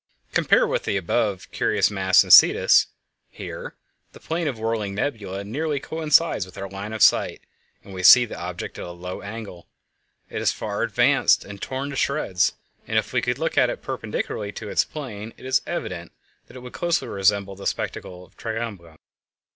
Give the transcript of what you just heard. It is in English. Compare with the above the curious mass in Cetus. Here the plane of the whirling nebula nearly coincides with our line of sight and we see the object at a low angle. It is far advanced and torn to shreds, and if we could look at it perpendicularly to its plane it is evident that it would closely resemble the spectacle in Triangulum.